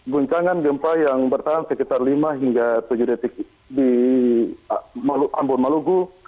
guncangan gempa yang bertahan sekitar lima hingga tujuh detik di ambon maluku